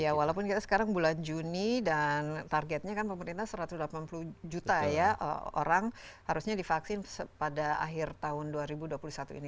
ya walaupun kita sekarang bulan juni dan targetnya kan pemerintah satu ratus delapan puluh juta ya orang harusnya divaksin pada akhir tahun dua ribu dua puluh satu ini